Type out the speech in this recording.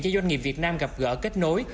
cho doanh nghiệp việt nam gặp gỡ kết nối